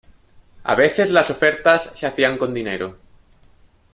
A veces las ofertas se hacían con dinero.